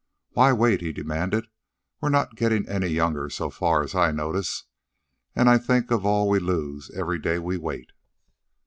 "Why wait?" he demanded. "We're not gettin' any younger so far as I can notice, an' think of all we lose every day we wait."